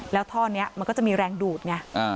แล้วท่อนี้มันก็จะมีแรงดูดไง